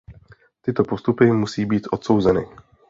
Tyto postupy musí být odsouzeny.